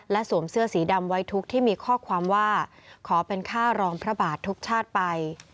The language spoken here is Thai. สวมเสื้อสีดำไว้ทุกที่มีข้อความว่าขอเป็นค่ารองพระบาททุกชาติไป